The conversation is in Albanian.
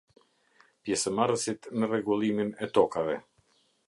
Pjesëmarrësit në rregullimin e tokave.